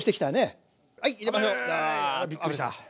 びっくりした！